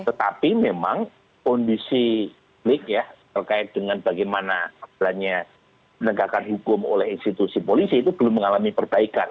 tetapi memang kondisi publik ya terkait dengan bagaimana penegakan hukum oleh institusi polisi itu belum mengalami perbaikan